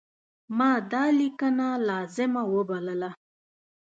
ما دا لیکنه لازمه وبلله.